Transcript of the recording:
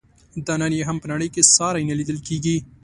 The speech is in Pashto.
دا نن یې هم په نړۍ کې ساری نه لیدل کیږي.